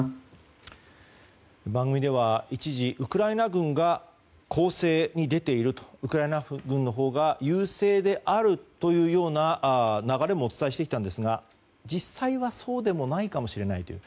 番組では一時ウクライナ軍が攻勢に出ているウクライナ軍のほうが優勢であるというような流れもお伝えしてきたんですが実際は、そうでもないかもしれないという。